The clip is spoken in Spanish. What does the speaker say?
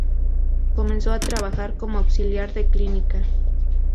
Comenzó a trabajar como auxiliar de clínica.